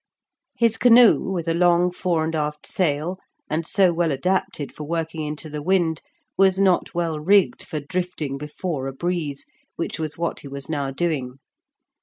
His canoe, with a long fore and aft sail, and so well adapted for working into the wind, was not well rigged for drifting before a breeze, which was what he was now doing.